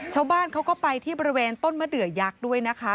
ชาวบ้านเขาก็ไปที่บริเวณต้นมะเดือยักษ์ด้วยนะคะ